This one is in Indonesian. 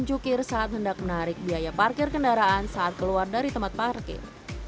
jukir saat hendak menarik biaya parkir kendaraan saat keluar dari tempat parkir